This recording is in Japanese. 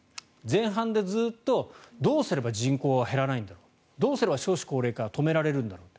前半でずっと、どうすれば人口は減らないんだろうどうすれば少子高齢化は止められるんだろう。